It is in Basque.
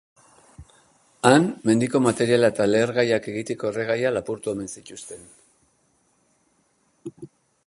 Han, mendiko materiala eta lehergaiak egiteko erregaia lapurtu omen zituzten.